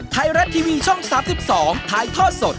ไทยรัฐทีวีช่อง๓๒ถ่ายทอดสด